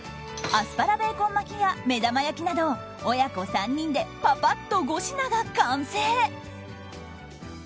アスパラベーコン巻きや目玉焼きなど親子３人でパパッと５品が完成。